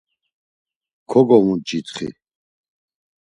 Kogovunç̌itxi.